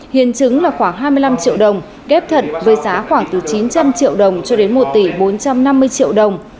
hiến chứng là khoảng hai mươi năm triệu đồng ghép thật với giá khoảng từ chín trăm linh triệu đồng cho đến một tỷ bốn trăm năm mươi triệu đồng